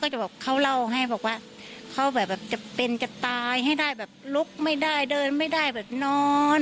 อย่าเป็นกระตายให้ได้แบบลุกไม่ได้เดินไม่ได้แบบนอน